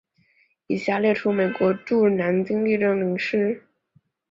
以下列出美国驻南京历任领事。